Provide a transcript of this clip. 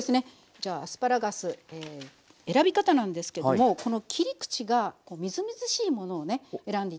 じゃあアスパラガス選び方なんですけどもこの切り口がみずみずしいものをね選んで頂くと。